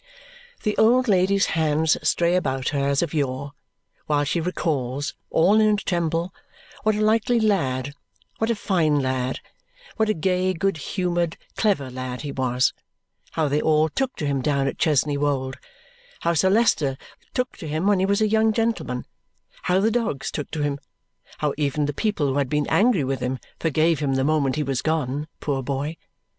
The old lady's hands stray about her as of yore, while she recalls, all in a tremble, what a likely lad, what a fine lad, what a gay good humoured clever lad he was; how they all took to him down at Chesney Wold; how Sir Leicester took to him when he was a young gentleman; how the dogs took to him; how even the people who had been angry with him forgave him the moment he was gone, poor boy.